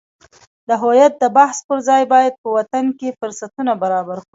د هویت د بحث پرځای باید په وطن کې فرصتونه برابر کړو.